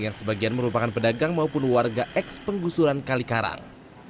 yang sebagian merupakan pedagang maupun warga eks penggusuran kalikarang